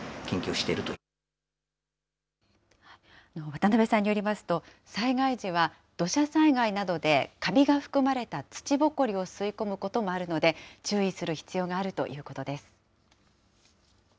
渡邉さんによりますと、災害時は土砂災害などでカビが含まれた土ぼこりを吸い込むこともあるので、注意する必要があるということです。